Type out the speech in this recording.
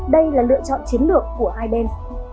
đây là lựa chọn chiến lược của hai bên